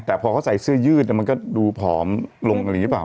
แต่พอเขาใส่เสื้อยืดมันก็ดูผอมลงอะไรอย่างนี้หรือเปล่า